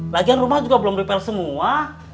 lagian rumah juga belum repal semua